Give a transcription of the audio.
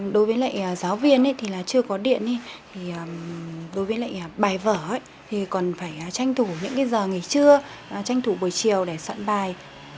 đối với lại giáo viên thì là chưa có điện thì đối với lại bài vở thì còn phải tranh thủ những giờ nghỉ trưa tranh thủ buổi chiều để soạn bài